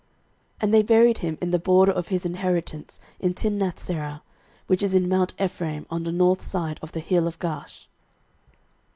06:024:030 And they buried him in the border of his inheritance in Timnathserah, which is in mount Ephraim, on the north side of the hill of Gaash.